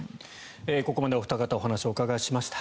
ここまでお二方お話をお伺いしました。